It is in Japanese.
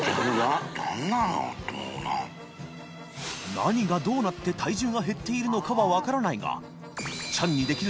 祺燭どうなって体重が減っているのかは分からないが船礇鵑砲任襪里